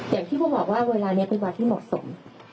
อย่างที่เขาบอกว่าเวลานี้เป็นเวลาที่เหมาะสม